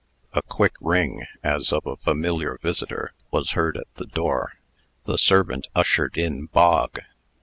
A quick ring, as of a familiar visitor, was heard at the door. The servant ushered in Bog.